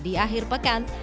di akhir pekan